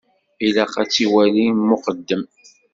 Ilaq ad tt-iwali lmuqeddem.